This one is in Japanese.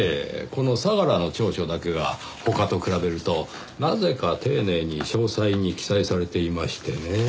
この相良の調書だけが他と比べるとなぜか丁寧に詳細に記載されていましてねぇ。